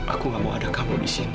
aku gak mau ada kamu di sini